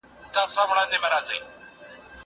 زه بوټونه پاک کړي دي!!